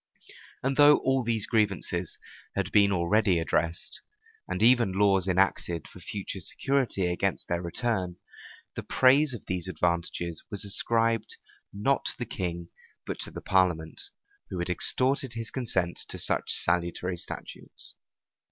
And though all these grievances had been already redressed, and even laws enacted for future security against their return, the praise of these advantages was ascribed, not to the king, but to the parliament, who had extorted his consent to such salutary statutes.